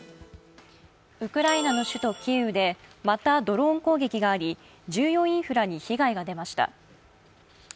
ウクライナの首都キーウでまたドローン攻撃があり重要インフラに被害が出ました。